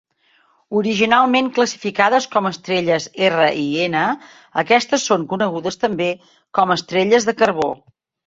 Originalment classificades com estrelles R i N, aquestes són conegudes també com "estrelles de carbó".